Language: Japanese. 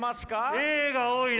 Ａが多いな！